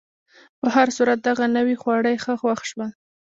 په هر صورت، دغه نوي خواړه یې ښه خوښ شول.